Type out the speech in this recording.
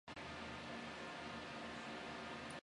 电影版是影迷们激烈争执的焦点。